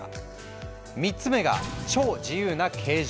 ３つ目が「超自由な形状」！